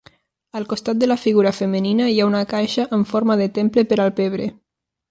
Al costat de la figura femenina hi ha una caixa amb forma de temple per al pebre.